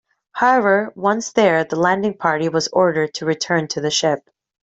However, once there, the landing party was ordered to return to the ship.